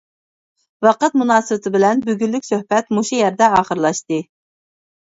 ۋاقىت مۇناسىۋىتى بىلەن بۈگۈنلۈك سۆھبەت مۇشۇ يەردە ئاخىرلاشتى.